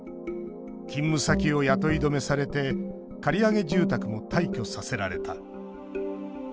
勤務先を雇い止めされて借り上げ住宅も退去させられた」